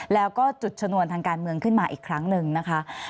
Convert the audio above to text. แล้วก็จุดชนวนทางการเมืองขึ้นมาอีกครั้งหนึ่งนะคะ